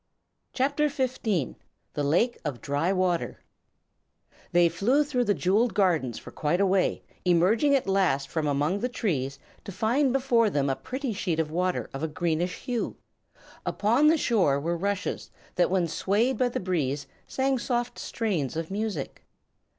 [CHAPTER XV] The Lake of Dry Water They flew through the jewelled gardens for quite a way, emerging at last from among the trees to find before them a pretty sheet of water of a greenish hue. Upon the shore were rushes that when swayed by the breeze sang soft strains of music.